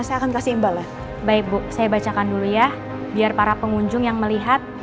sampai jumpa di video selanjutnya